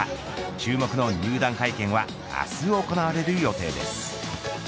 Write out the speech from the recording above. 注目の入団会見は明日行われる予定です。